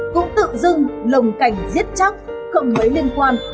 cũng tự dưng lồng cảnh giết chắc cộng mấy liên quan